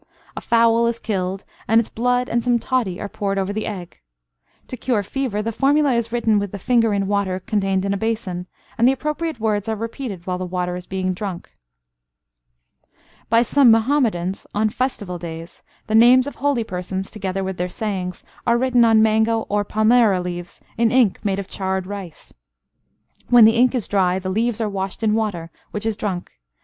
A fowl is killed, and its blood and some toddy are poured over the egg. To cure fever, the formula is written with the finger in water contained in a basin, and the appropriate words are repeated while the water is being drunk. By some Muhammadans, on festival days, the names of holy persons, together with their sayings, are written on mango or palmyra leaves in ink made of charred rice. When the ink is dry, the leaves are washed in water, which is drunk.